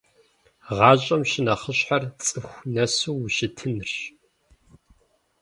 ГъащӀэм щынэхъыщхьэр цӀыху нэсу ущытынырщ.